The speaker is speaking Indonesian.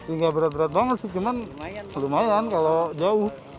ini ga berat berat banget sih cuman lumayan kalo jauh